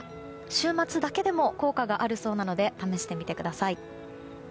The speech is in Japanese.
週末だけでも効果があるそうなので試してみてください。